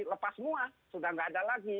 lepas semua sudah tidak ada lagi